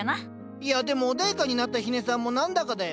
いやでも穏やかになった日根さんも何だかだよ。